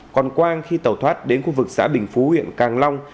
còn quang khi tàu thoát đến khu vực xã bình phú huyện càng long